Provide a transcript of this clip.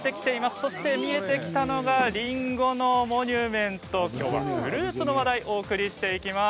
そして見えてきたのがりんごのモニュメントきょうはフルーツの話題をお送りしていきます。